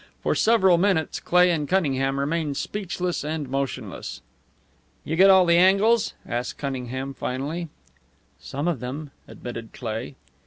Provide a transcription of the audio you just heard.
For several minutes Cleigh and Cunningham remained speechless and motionless. "You get all the angles?" asked Cunningham, finally. "Some of them," admitted Cleigh.